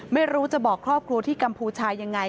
ไม่รู้จะบอกครอบครัวที่กัมพูชายังไง